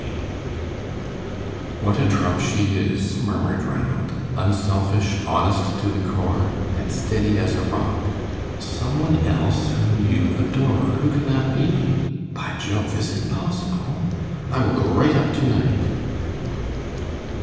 K. "What a trump she is," murmured Ranald; "unselfish, honest to the core, and steady as a rock. 'Some one else whom you adore.' Who can that be? By Jove, is it possible? I will go right up to night."